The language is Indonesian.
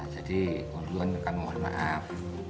jadi konduan akan mohon maaf